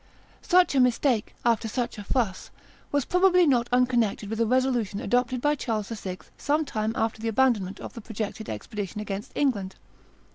Such a mistake, after such a fuss, was probably not unconnected with a resolution adopted by Charles VI. some time after the abandonment of the projected expedition against England.